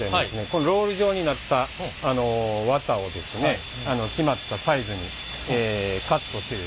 このロール状になった綿を決まったサイズにカットしてほう。